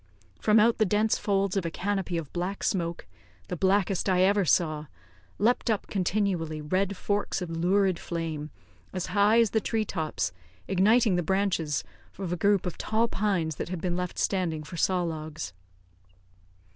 From out the dense folds of a canopy of black smoke, the blackest I ever saw, leaped up continually red forks of lurid flame as high as the tree tops, igniting the branches of a group of tall pines that had been left standing for saw logs.